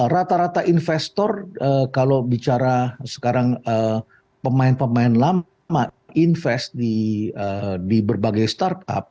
rata rata investor kalau bicara sekarang pemain pemain lama invest di berbagai startup